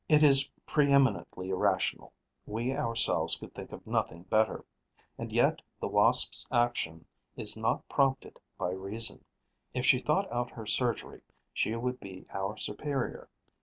It is preeminently rational; we ourselves could think of nothing better; and yet the Wasp's action is not prompted by reason. If she thought out her surgery, she would be our superior.